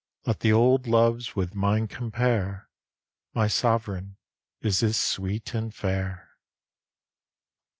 Let the old loves with mine compare, My Sov'raigne is as sweet and fair.